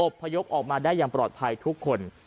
พยพออกมาได้อย่างปลอดภัยทุกคน